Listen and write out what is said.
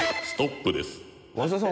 松田さん